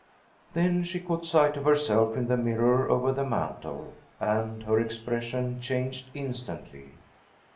Then she caught sight of herself in the mirror over the mantel, and her expression changed instantly.